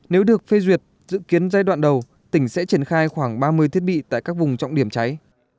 nếu được phê duyệt dự kiến giai đoạn đầu tỉnh sẽ triển khai khoảng ba mươi thiết bị tại các vùng trọng điểm cháy